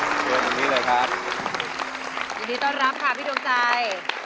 วันนี้ต้อนรับค่ะพี่ดวงใจ